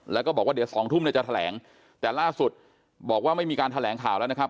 แล้วก็บอกว่าเดี๋ยวสองทุ่มเนี่ยจะแถลงแต่ล่าสุดบอกว่าไม่มีการแถลงข่าวแล้วนะครับ